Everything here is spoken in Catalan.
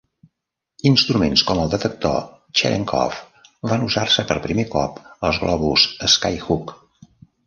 Instruments com el detector Cherenkov van usar-se per primer cop als globus Skyhook.